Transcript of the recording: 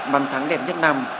bằng thắng đẹp nhất năm